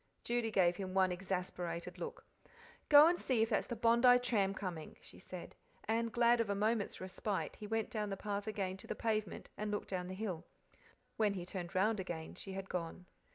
Judy gave him one exasperated look. "Go and see if that's the Bondi tram coming," she said; and glad of a moment's respite, he went down the path again to the pavement and looked down the hill. When he turned round again she had gone.